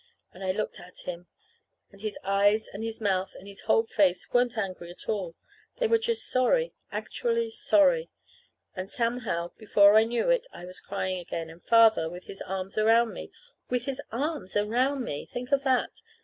And I looked at him, and his eyes and his mouth and his whole face weren't angry at all. They were just sorry, actually sorry. And somehow, before I knew it, I was crying again, and Father, with his arm around me with his arm around me! think of that!